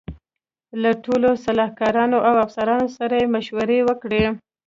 له ټولو سلاکارانو او افسرانو سره یې مشورې وکړې.